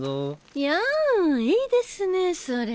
いやんいいですねそれ。